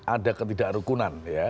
ada ketidak rekunan ya